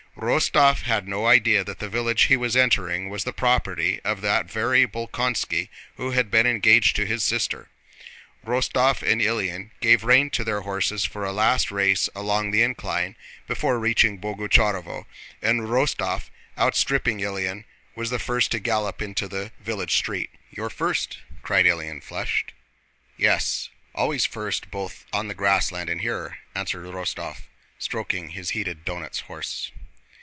Rostóv had no idea that the village he was entering was the property of that very Bolkónski who had been engaged to his sister. Rostóv and Ilyín gave rein to their horses for a last race along the incline before reaching Boguchárovo, and Rostóv, outstripping Ilyín, was the first to gallop into the village street. "You're first!" cried Ilyín, flushed. "Yes, always first both on the grassland and here," answered Rostóv, stroking his heated Donéts horse.